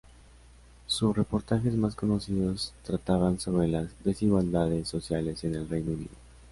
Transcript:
Sus reportajes más conocidos trataban sobre las desigualdades sociales en el Reino Unido.